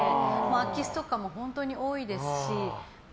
空き巣とかも本当に多いですし。